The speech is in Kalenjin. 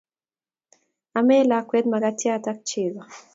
amei lakwet makatiat ak chego